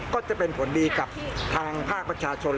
ก็จะเป็นผลดีกับทางภาคประชาชน